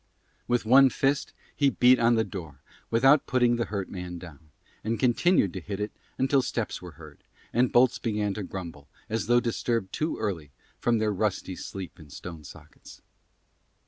With one fist he beat on the door without putting the hurt man down, and continued to hit it until steps were heard, and bolts began to grumble, as though disturbed too early from their rusty sleep in stone sockets.